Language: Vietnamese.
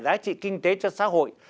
giá trị kinh tế cho xã hội